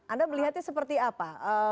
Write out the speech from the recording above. anda melihatnya seperti apa